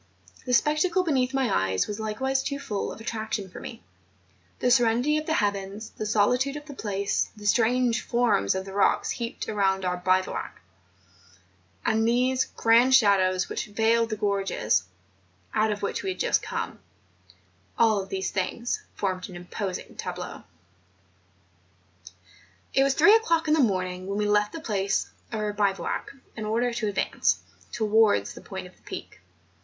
The spectacle beneath my eyes was likewise too full of attraction for me; the serenity of the heavens, the solitude of the place, the strange forms of the rocks heaped around our bivouac, and those grand shadows which veiled the gorges, out of which we had just come—all these things formed an imposing tableau. It was three o'clock in the morning when we left the place of our bivouac in order to advance THE PEAK OF TENERIFFE. 267 towards the point of the Peak.